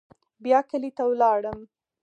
بيا کلي ته ولاړم.